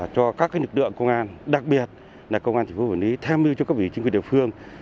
cho các nực lượng công an đặc biệt là công an tp hcm tham mưu cho các vị chính quyền địa phương